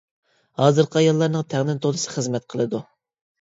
ھازىرقى ئاياللارنىڭ تەڭدىن تولىسى خىزمەت قىلىدۇ.